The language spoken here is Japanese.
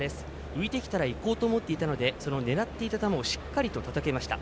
浮いてきたらいこうと思っていたのでその狙っていた球をしっかりとたたけました。